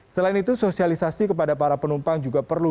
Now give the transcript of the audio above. selain itu sosialisasi kepada para penumpang juga perlu